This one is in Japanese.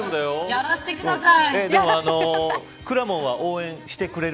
やらせてください。